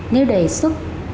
nếu đề xuất